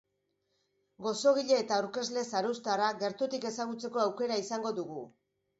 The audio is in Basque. Gozogile eta aurkezle zarauztarra gertutik ezagutzeko aukera izango dugu.